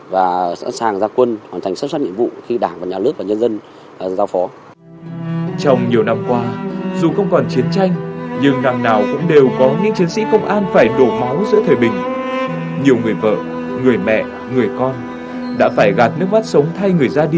và để chi ăn những người có công với cách mạng